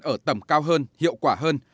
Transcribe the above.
ở tầm cao hơn hiệu quả hơn